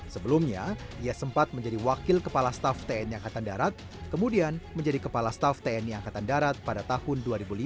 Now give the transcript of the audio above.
sebelumnya ia sempat menjadi wakil kepala staff tni angkatan darat kemudian menjadi kepala staff tni angkatan darat pada tahun dua ribu lima